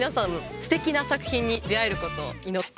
すてきな作品に出会えることを祈って。